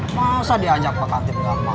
masa diajak pak kantip gak mau